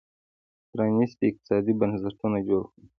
پرانېستي اقتصادي بنسټونه جوړ کړل